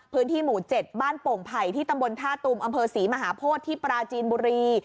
พื้นที่หมู่๗บ้านโป่งไผ่ที่ตำบลท่าตุมอำเภอศรีมหาโพธิที่ปราจีนบุรี